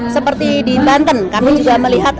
seperti di banten kami juga melihat